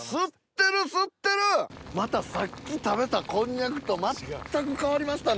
またさっき食べたこんにゃくと全く変わりましたね！